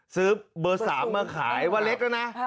ซื้อเบอร์๓มาขายว่าเล็กแล้วนะ